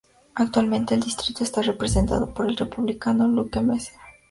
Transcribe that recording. Actualmente el distrito está representado por el Republicano Luke Messer.